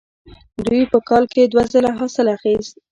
دوی په کال کې دوه ځله حاصل اخیست.